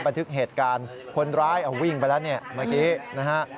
บันทึกเหตุการณ์คนร้ายเอาวิ่งไปแล้วเนี่ยเมื่อกี้นะฮะ